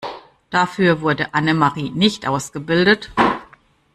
Dafür wurde Annemarie nicht ausgebildet.